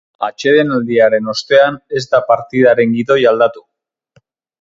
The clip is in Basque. Atsedenaldiaren ostean ez da partidaren gidoia aldatu.